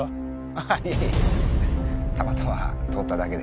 ああいやいやたまたま通っただけでね。